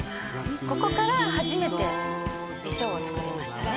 ここから初めて「楽園の」衣装を作りましたね